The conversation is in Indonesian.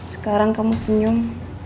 sekarang kamu senyum